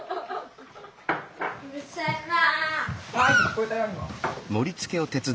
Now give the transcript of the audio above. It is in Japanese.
うるさいなあ。